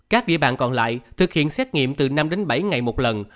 các địa bàn còn lại thực hiện xét nghiệm từ năm đến bảy ngày một lần